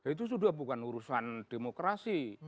itu sudah bukan urusan demokrasi